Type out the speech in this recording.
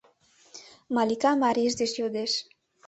— Малика марийже деч йодеш.